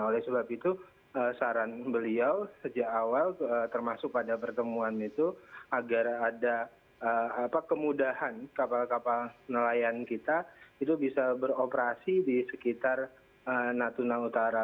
oleh sebab itu saran beliau sejak awal termasuk pada pertemuan itu agar ada kemudahan kapal kapal nelayan kita itu bisa beroperasi di sekitar natuna utara